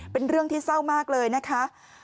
เป็นเรื่องที่เศร้ามากเลยนะคะ